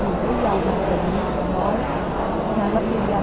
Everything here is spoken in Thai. มีหลายมันคือนะคะเป็นคนทำงานเป็นจริงจัง